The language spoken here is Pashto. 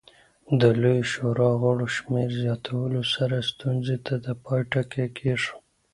د لویې شورا غړو شمېر زیاتولو سره ستونزې ته پای ټکی کېښود.